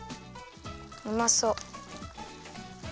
うまそう。